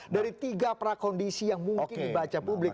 dari tiga prakondisi yang mungkin dibaca publik